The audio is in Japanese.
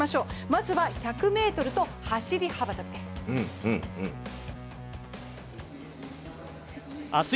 まずは１００ｍと走幅跳です。